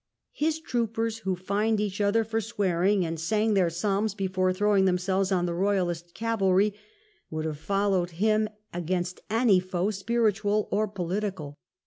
His troopers, who fined each other for swearing, and sang their psalms before throwing them selves on the Royalist cavalry, would have followed him SECOND BATTLE OF NEWBURY. 5 I against any foe, spiritual or political.